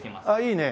いいね。